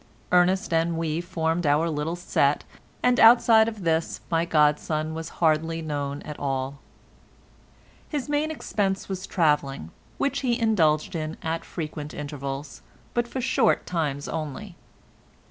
Ernest and we formed our little set, and outside of this my godson was hardly known at all. His main expense was travelling, which he indulged in at frequent intervals, but for short times only.